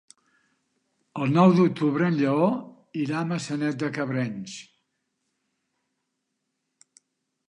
El nou d'octubre en Lleó irà a Maçanet de Cabrenys.